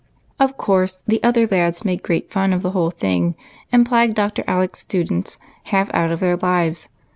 BROTHER BONES. 223 Of course, the other lads made great fun of the whole thing, and plagued Dr. Alec's students half out of their lives.